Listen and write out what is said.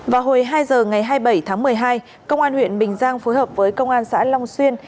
vào hồi hai giờ ngày hai mươi bảy tháng một mươi hai công an huyện bình giang phối hợp với công an xã long xuyên